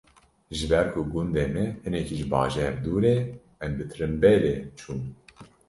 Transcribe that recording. Ji ber ku gundê me hinekî ji bajêr dûr e, em bi tirembêlê çûn.